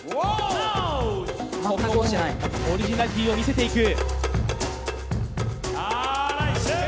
ここもオリジナリティーを見せていく。